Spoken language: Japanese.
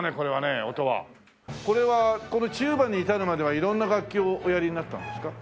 これはこのチューバに至るまでは色んな楽器をおやりになったんですか？